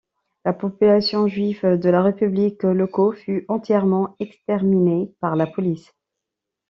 La population juive de la République Lokot fut entièrement exterminée par la police.